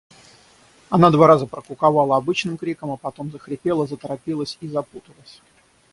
Она два раза прокуковала обычным криком, а потом захрипела, заторопилась и запуталась.